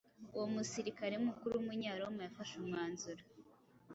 uwo musirikare mukuru w’Umunyaroma yafashe umwanzuro